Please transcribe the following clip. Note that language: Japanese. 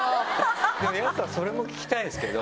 でもＹＡＳＵさんそれも聞きたいんですけど。